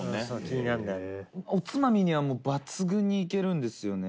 二階堂：おつまみには、もう抜群にいけるんですよね。